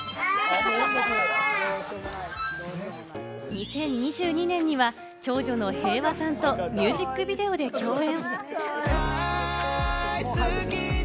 ２０２２年には長女の平和さんとミュージックビデオで共演。